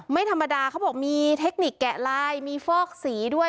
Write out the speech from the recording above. ไม่ธรรมดาเขาบอกมีเทคนิคแกะลายมีฟอกสีด้วย